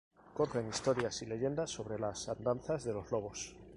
Corren historias y leyendas sobre las andanzas de los lobos.